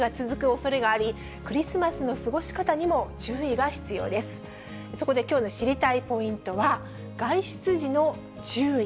そこで、きょうの知りたいポイントは、外出時の注意。